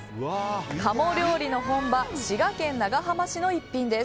鴨料理の本場・滋賀県長浜市の逸品です。